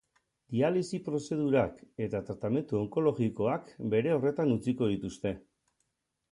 Dialisi prozedurak eta tratamendu onkologikoak bere horretan utziko dituzte.